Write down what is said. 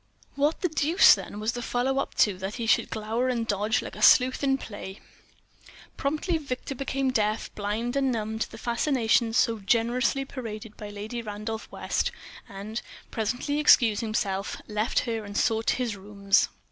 What the deuce, then, was the fellow up to, that he should glower and dodge like a sleuth in a play? Promptly Victor became deaf, blind, and numb to the fascinations so generously paraded by Lady Randolph West; and presently excusing himself, left her and sought his rooms.